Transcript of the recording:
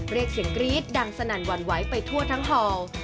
เรียกเสียงกรี๊ดดังสนั่นหวั่นไหวไปทั่วทั้งฮอล์